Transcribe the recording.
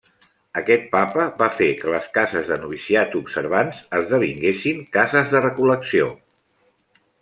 Aquest papa va fer que les cases de noviciat observants esdevinguessin cases de recol·lecció.